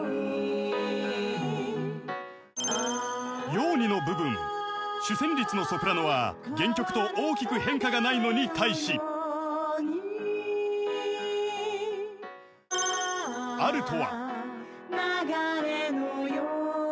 ［「ように」の部分主旋律のソプラノは原曲と大きく変化がないのに対しアルトは］